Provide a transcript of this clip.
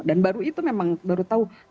dan baru itu memang baru tahu